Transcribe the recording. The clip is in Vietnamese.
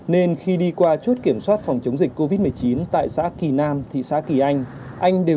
nên khi đi qua chốt kiểm soát phòng chống dịch covid một mươi chín tại xã kỳ nam thị xã kỳ anh anh đều